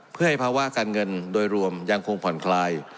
เพื่อให้ภาวะการเงินโดยรวมยังคงผ่อนคลาย